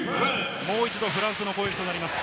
もう一度フランスの攻撃です。